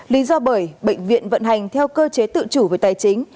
lý do bởi bệnh viện vận hành theo cơ chế tự chủ về tài chính